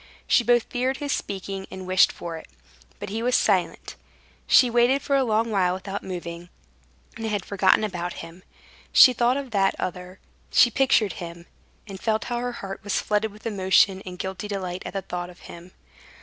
She both feared his speaking and wished for it. But he was silent. She waited for a long while without moving, and had forgotten about him. She thought of that other; she pictured him, and felt how her heart was flooded with emotion and guilty delight at the thought of him.